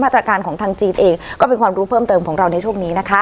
ตรการของทางจีนเองก็เป็นความรู้เพิ่มเติมของเราในช่วงนี้นะคะ